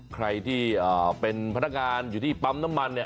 ใครที่เป็นพนักงานอยู่ที่ปั๊มน้ำมันเนี่ย